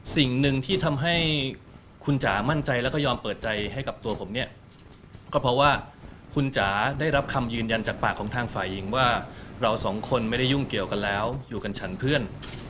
สิ่งหนึ่งที่ทำให้คุณจ๋ามั่นใจแล้วก็ยอมเปิดใจให้กับตัวผมเนี่ยก็เพราะว่าคุณจ๋าได้รับคำยืนยันจากปากของทางฝ่ายหญิงว่าเราสองคนไม่ได้ยุ่งเกี่ยวกันแล้วอยู่กันฉันเพื่อน